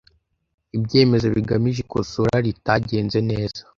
Ibyemezo bigamije ikosora ritagenze neza